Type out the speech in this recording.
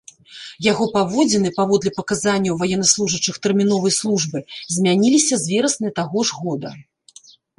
Яго паводзіны, паводле паказанняў ваеннаслужачых тэрміновай службы, змяніліся з верасня таго ж года.